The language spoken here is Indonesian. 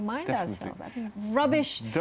tidak hanya memainkan pemerintah